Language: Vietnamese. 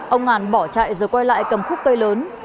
ông ngàn bỏ chạy rồi quay lại cầm khúc cây lớn